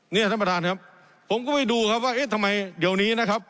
เนี่ยท่านประธานครับผมก็ไปดูครับว่าเอ๊ะทำไมเดี๋ยวนี้นะครับ